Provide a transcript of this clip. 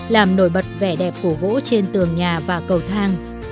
làm nổi bật vẻ đẹp của gỗ trên tường nhà và cầu thang